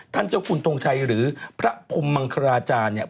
ท่านเจ้าคุณทงชัยหรือพระพรหมังคราจารย์